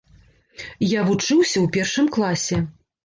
Я вучыўся ў першым класе.